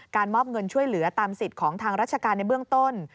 มอบเงินช่วยเหลือตามสิทธิ์ของทางราชการในเบื้องต้น